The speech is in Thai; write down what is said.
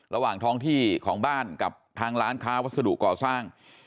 ระหว่างท้องที่ของบ้านกับทางร้านค้าวัสดุก่อสร้าง